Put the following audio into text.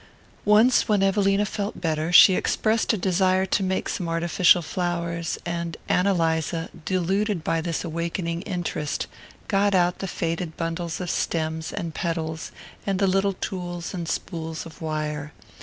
Once, when Evelina felt better, she expressed a desire to make some artificial flowers, and Ann Eliza, deluded by this awakening interest, got out the faded bundles of stems and petals and the little tools and spools of wire.